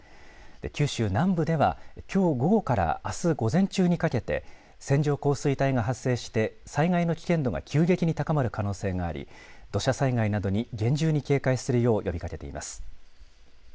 九州南部ではきょう午後からあす午前中にかけて線状降水帯が発生して災害の危険度が急激に高まる可能性があり土砂災害などに厳重に警戒するよう呼びかけています。